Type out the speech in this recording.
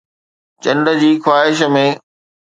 چنڊ جي خواهش ۾